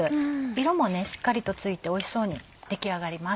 色もしっかりとついておいしそうに出来上がります。